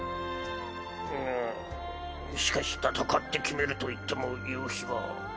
ぬうしかし戦って決めるといっても夕日は。